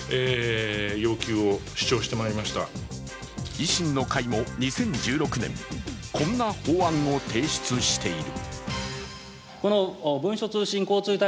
維新の会も２０１６年、こんな法案を提出している。